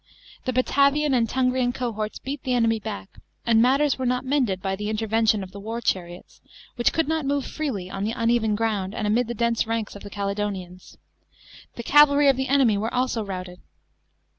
The Batavian and Tungrian cohorts beat the enemy back, and matters were not mended by "he inier vei ti' n of the war chariots, which could not move freely on the uneven 2 round and amid the ilense ranks of the Cale lonians. The ca airy of the enemy were also ro ted.